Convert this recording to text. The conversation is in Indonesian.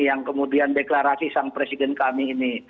yang kemudian deklarasi sang presiden kami ini